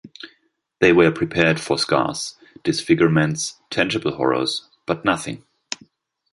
They were prepared for scars, disfigurements, tangible horrors, but nothing!